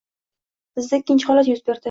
Bizda ikkinchi holat yuz berdi